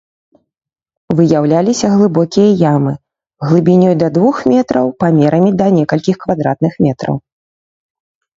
Выяўляліся глыбокія ямы, глыбінёй да двух метраў, памерамі да некалькі квадратных метраў.